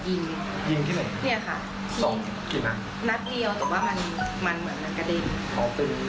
ใช่รวมโม่